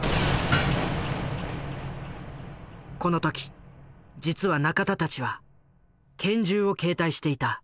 この時実は仲田たちは拳銃を携帯していた。